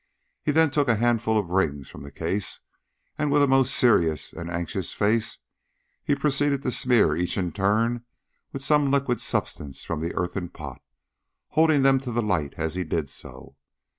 He then took a handful of rings from the case, and with a most serious and anxious face he proceeded to smear each in turn with some liquid substance from the earthen pot, holding them to the light as he did so.